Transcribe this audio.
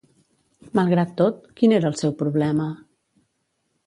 Malgrat tot, quin era el seu problema?